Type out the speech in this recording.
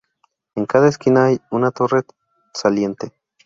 En cada esquina hay una torre saliente.